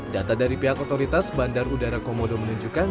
data dari pihak otoritas bandar udara komodo menunjukkan